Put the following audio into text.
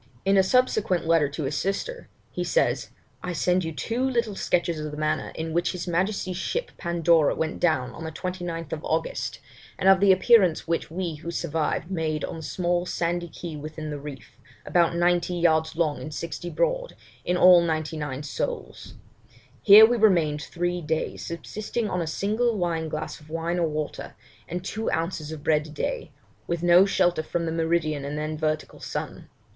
In a subsequent letter to his sister he says, 'I send you two little sketches of the manner in which his Majesty's ship Pandora went down on the 29th August, and of the appearance which we who survived made on the small sandy key within the reef, about ninety yards long and sixty broad, in all ninety nine souls; here we remained three days, subsisting on a single wine glass of wine or water, and two ounces of bread a day, with no shelter from the meridian and then vertical sun.